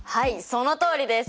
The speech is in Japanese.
そのとおりです！